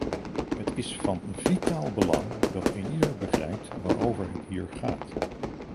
Het is van vitaal belang dat eenieder begrijpt waarover het hier gaat.